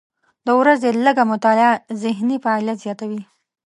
د ورځې لږه مطالعه ذهني فعالیت زیاتوي.